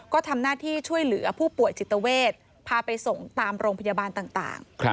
ก็ทำหน้าที่ช่วยเหลือผู้ป่วยจิตเวทพาไปส่งตามโรงพยาบาลต่าง